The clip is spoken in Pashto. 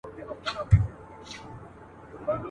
سیند به روان وي د کونړونو !.